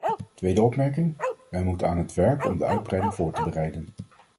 Tweede opmerking: wij moeten aan het werk om de uitbreiding voor te bereiden.